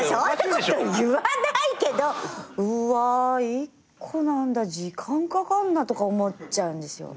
そんなこと言わないけど「うわ１個なんだ時間かかんな」とか思っちゃうんですよ。